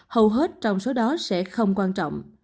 hầu hết trong số đó sẽ không quan trọng